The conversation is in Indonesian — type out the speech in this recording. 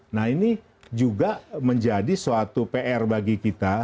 nah ini juga menjadi suatu pr bagi kita